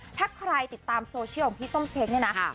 ถ้าใครติดตามโซเชียลของพี่ส้มเช้งเนี่ยนะ